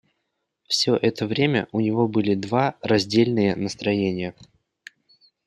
Всё это время у него были два раздельные настроения.